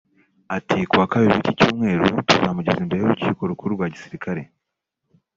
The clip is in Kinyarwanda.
Ati “Kuwa Kabiri w’iki cyumweru tuzamugeza imbere y’urukiko rukuru rwa gisirikare